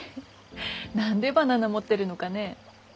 何でバナナ持ってるのかねぇ。